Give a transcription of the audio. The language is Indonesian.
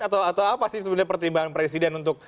atau apa sih sebenarnya pertimbangan presiden untuk